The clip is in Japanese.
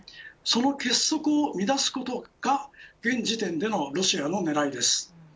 その結束を目指すことが現時点でのロシアの狙いです。